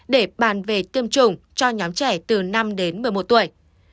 để bàn về tiêm chủng cho nhóm trẻ từ năm đến một mươi một tuổi